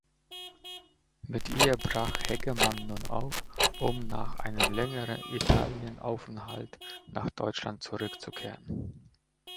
Mit ihr brach Hegemann nun auf, um nach einem längeren Italienaufenthalt nach Deutschland zurückzukehren.